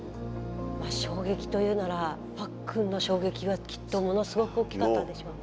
衝撃というならパックンの衝撃はきっとものすごく大きかったんでしょうね。